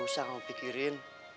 gak usah kamu pikirin